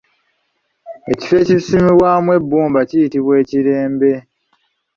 Ekifo ekisimwamu ebbumba kiyitibwa ekirembe.